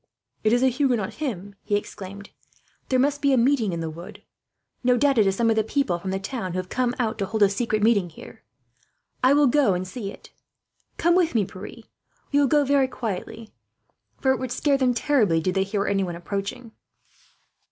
"It is a Huguenot hymn," he exclaimed. "There must be a meeting in the wood. No doubt it is some of the people from the town, who have come out to hold a secret meeting here. I will go and see it. "Come with me, Pierre. We will go very quietly, for it would scare them terribly, did they hear anyone approaching."